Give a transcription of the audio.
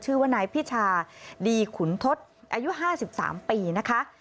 ชื่อว่านายพิชาดีขุนทศอายุ๕๓ปีนะคะ